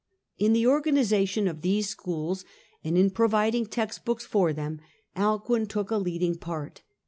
In the organisation of these schools, and in providing text books for them, Alcuin took a leading part.